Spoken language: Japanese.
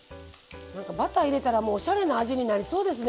バター入れたらおしゃれな味になりそうですね